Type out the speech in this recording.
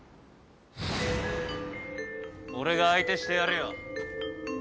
俺が相手してやるよ